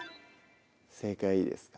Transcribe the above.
正解いいですか？